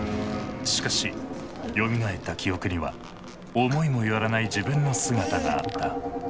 しかしよみがえった記憶には思いも寄らない自分の姿があった。